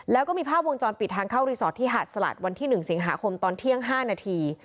แล้วก็มีภาพวงจรปิดทางเข้ารีสอร์ทที่หาดสลัดวันที่๑สิงหาคมตอนเที่ยง๕นาที